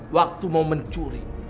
waktu mau mencuri